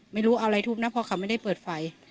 ไม่รู้เอาอะไรทุบนะเพราะเขาไม่ได้เปิดไฟ